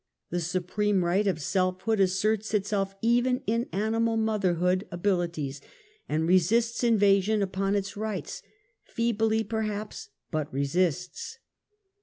The supreme right of self hood asserts itself even in animal motherhood abili ties, and resists invasion upon its rights — feebly, per haps, but resists.